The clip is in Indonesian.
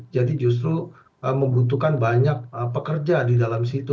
jadi justru membutuhkan banyak pekerja di dalam situ